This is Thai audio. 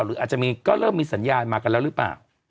หรืออาจจะมีก็เริ่มมีสัญญาณมากันแล้วหรือเปล่า